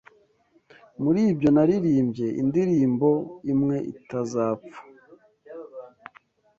Muri byo naririmbye indirimbo imwe itazapfa